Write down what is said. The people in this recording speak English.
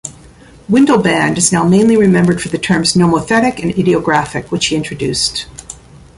Windelband is now mainly remembered for the terms "nomothetic" and "idiographic", which he introduced.